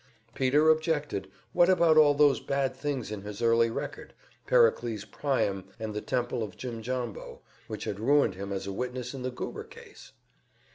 Peter objected, what about all those bad things in his early record, Pericles Priam and the Temple of Jimjambo, which had ruined him as a witness in the Goober case.